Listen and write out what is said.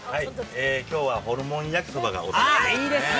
今日はホルモン焼きそばがおすすめですね。